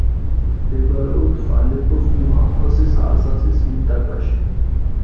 მდებარეობს ალეპოს მუჰაფაზის აზაზის მინტაკაში.